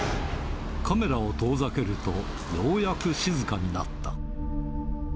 カメラを遠ざけると、ようやく静かになった。